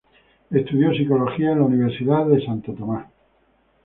Estudió psicología en la Universidad Santo Tomás.